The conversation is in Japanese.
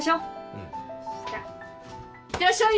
うん。いってらっしゃい！